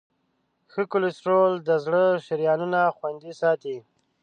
ښه کولیسټرول د زړه شریانونه خوندي ساتي.